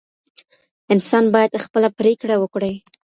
انسان باید خپله پرېکړه وکړي.